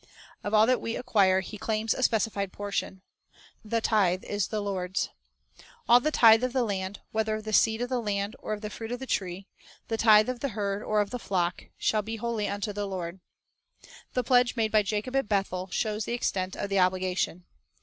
Of all that we acquire He claims a specified portion. The tithe is the Lord's. "All the tithe of the land, whether of the seed of the land or of the fruit of the tree," "the tithe of the herd or of the flock, ... shall be holy unto the Lord."" The pledge made by Jacob at Bethel shows the extent of the obligation.